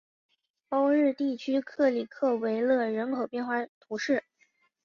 欧日地区克里克维勒人口变化图示